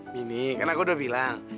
mini karena aku udah bilang